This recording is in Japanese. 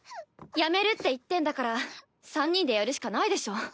辞めるって言ってんだから３人でやるしかないでしょ。